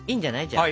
じゃあ。